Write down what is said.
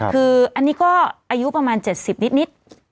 คืออันนี้ก็อายุประมาณ๗๐นิด